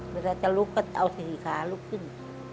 เวลาจะลุกก็เอาสี่ขาลุกขึ้น